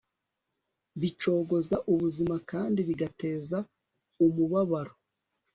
bicogoza ubuzima kandi bigateza umubabaro